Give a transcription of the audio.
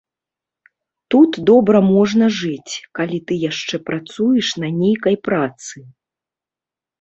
Тут добра можна жыць, калі ты яшчэ працуеш на нейкай працы.